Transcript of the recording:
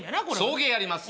送迎やります